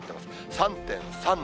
３．３度。